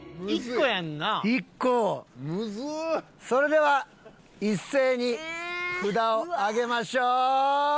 それでは一斉に札を挙げましょう。